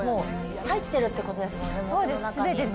入ってるってことですもんね、この中に。